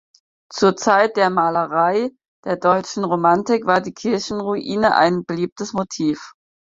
Zur Zeit der Malerei der Deutschen Romantik war die Kirchenruine ein beliebtes Motiv.